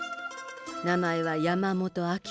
名前は山本明。